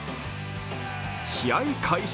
試合開始